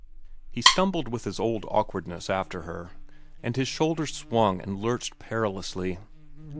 He stumbled with his old awkwardness after her, and his shoulders swung and lurched perilously.